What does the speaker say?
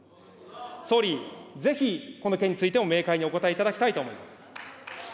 総理、ぜひこの件についても明快にお答えいただきたいと思います。